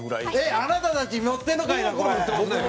あなたたち持ってるのかいな、これ！